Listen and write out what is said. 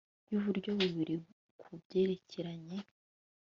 yu buryo bubiri ku byerekeranye